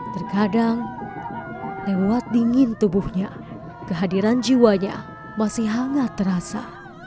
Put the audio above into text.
terkadang lewat dingin tubuhnya kehadiran jiwanya masih hangat terasa